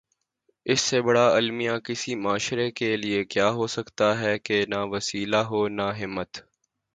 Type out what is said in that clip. اس سے بڑا المیہ کسی معاشرے کے ساتھ کیا ہو سکتاہے کہ نہ وسیلہ ہو نہ ہمت۔